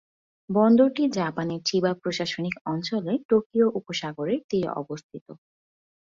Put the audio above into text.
বন্দরটি জাপানের চিবা প্রশাসনিক অঞ্চলে টোকিও উপসাগরের তীরে অবস্থিত।